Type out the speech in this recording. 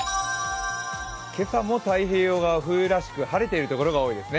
今朝も太平洋側、冬らしく晴れているところが多いですね。